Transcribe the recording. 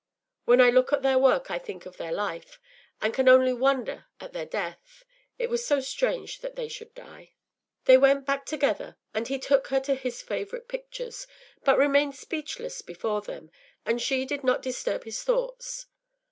When I look at their work I think of their life, and can only wonder at their death. It was so strange that they should die.” They went back together, and he took her to his favourite pictures, but remained speechless before them, and she did not disturb his thoughts.